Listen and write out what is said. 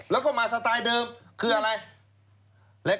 แล้วก็มาสไตล์เดิมคืออะไร